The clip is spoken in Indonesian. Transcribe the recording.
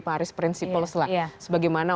paris principles lah sebagaimana